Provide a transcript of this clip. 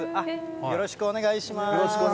よろしくお願いします。